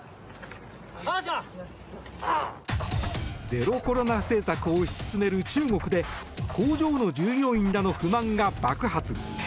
ゼロコロナ政策を推し進める中国で工場の従業員らの不満が爆発。